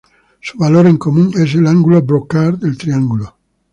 Su valor en común es el ángulo Brocard del triángulo.